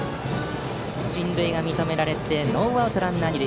進塁が認められてノーアウトランナー、二塁。